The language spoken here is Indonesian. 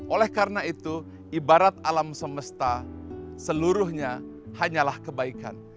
oleh karena itu ibarat alam semesta seluruhnya hanyalah kebaikan